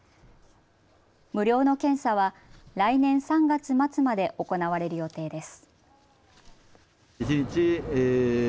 無料の検査は来年３月末まで行われる予定です。